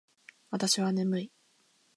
私は眠い